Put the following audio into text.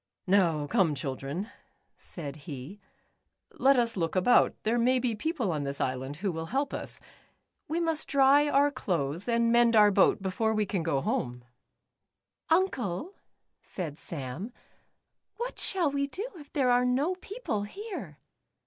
"■ Now come, children," said he, " let us look about ; there may be people on this island, who will help us. We must dry our clothes, and mend our boat before we can eo home." 150 The Upsidedownians. "Uncle," said Sam, "what shall we do if there are no people here?"